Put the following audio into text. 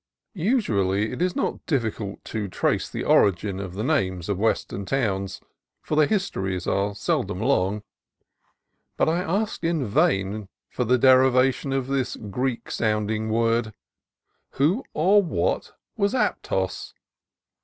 Usually it is not difficult to trace the origin of the names of Western towns, for their histories are sel dom long. But I asked in vain for the derivation of this Greek sounding word. Who, or what, was Aptos?